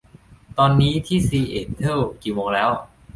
ตอนนี้ที่ซีแอตเทิลกี่โมงแล้ว